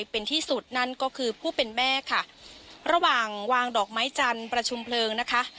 เป็นที่สุดนั่นก็คือผู้เป็นแม่ค่ะระหว่างวางดอกไม้จันทร์ประชุมเพลิงนะคะ